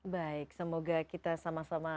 baik semoga kita sama sama